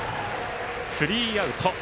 スリーアウト。